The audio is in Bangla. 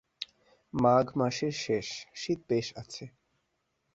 মাঘ মাসের শেষ, শীত বেশ আছে।